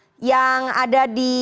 mas buruhan yang ada di sampulnya